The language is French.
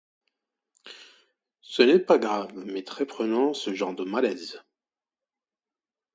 Ce n’est pas grave, mais très prenant, ce genre de malaises…